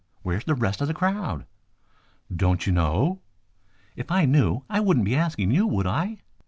Where's the rest of the crowd?" "Don't you know?" "If I knew I wouldn't be asking you, would I?"